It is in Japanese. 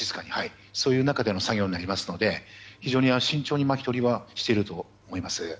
そういう中での作業になりますので非常に慎重に巻き取りをしていると思います。